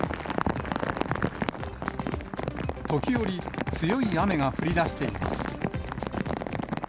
時折、強い雨が降りだしています。